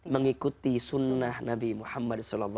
mengikuti sunnah nabi muhammad saw